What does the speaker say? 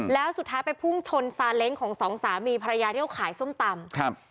แล้วสุดท้ายไปพุ่งชนซาเล้งของสองสามีภรรยาที่เขาขายส้มตำครับ